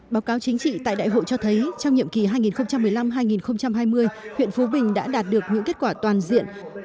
báo cáo chính trị tại đại hội cho thấy trong nhiệm kỳ hai nghìn một mươi năm hai nghìn hai mươi huyện phú bình đã đạt được những kết quả toàn diện